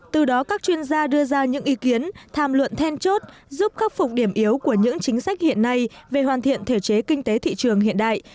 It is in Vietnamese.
từ đó các chuyên gia đưa ra những ý kiến tham luận then chốt giúp khắc phục điểm yếu của những chính sách hiện nay về hoàn thiện thể chế kinh tế thị trường hiện đại